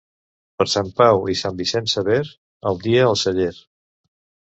Per Sant Pau i Sant Vicenç Sever, el vi al celler.